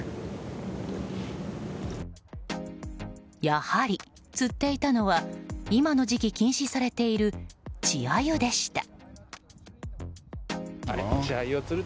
やはり、釣っていたのは今の時期、禁止されている稚アユでした。